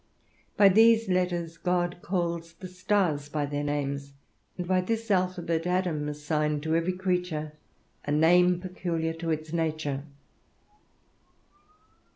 By these letters God calls the stars by their names; and by this alphabet Adam assigned to every creature a name peculiar to its nature.